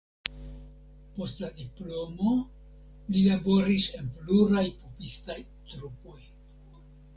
Post la diplomo li laboris en pluraj pupistaj trupoj.